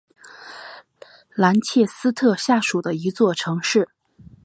兰切斯特下属的一座城市。